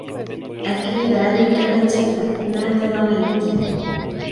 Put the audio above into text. أكيد عليك أن تدفع. ماذا ظننت ؟